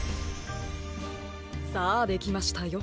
さあできましたよ。